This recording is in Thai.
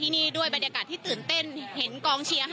อันนี้จะต้องจับเบอร์เพื่อที่จะแข่งกันแล้วคุณละครับ